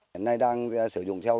hôm nay đang sử dụng theo